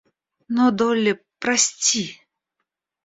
Но, Долли, прости!